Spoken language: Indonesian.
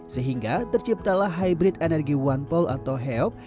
sehingga terciptalah hybrid energy one pole atau heop